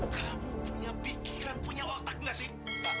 kamu punya pikiran punya otak gak sih